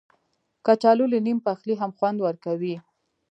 کچالو له نیم پخلي هم خوند ورکوي